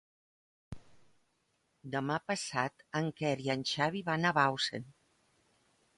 Demà passat en Quer i en Xavi van a Bausen.